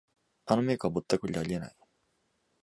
あのメーカーはぼったくりであり得ない